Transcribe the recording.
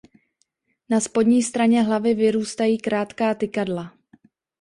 Na spodní straně hlavy vyrůstají krátká tykadla.